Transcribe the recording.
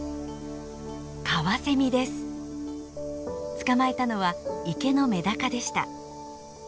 捕まえたのは池のメダカでした。